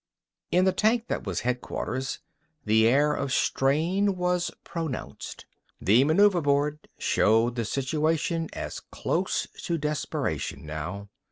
In the tank that was headquarters, the air of strain was pronounced. The maneuver board showed the situation as close to desperation, now.